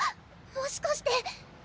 もしかして！